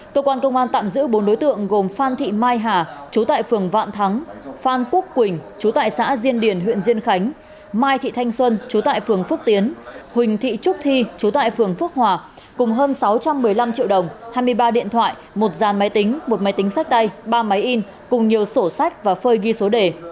tổ quản công an tạm giữ bốn đối tượng gồm phan thị mai hà chú tại phường vạn thắng phan quốc quỳnh chú tại xã diên điền huyện diên khánh mai thị thanh xuân chú tại phường phước tiến huỳnh thị trúc thi chú tại phường phước hòa cùng hơn sáu trăm một mươi năm triệu đồng hai mươi ba điện thoại một gian máy tính một máy tính sách tay ba máy in cùng nhiều sổ sách và phơi ghi số đề